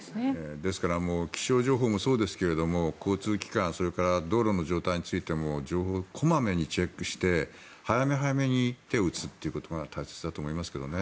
ですから気象情報もそうですが交通機関それから道路の状態についても情報を小まめにチェックして早め早めに手を打つということが大切だと思いますけどね。